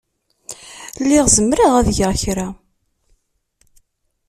Lliɣ zemreɣ ad geɣ kra.